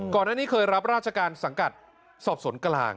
ก่อนหน้านี้เคยรับราชการสังกัดสอบสวนกลาง